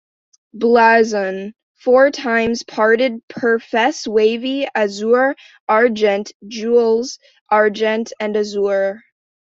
Blazon: Four times parted per fess wavy, Azure, Argent, Gules, Argent and Azure.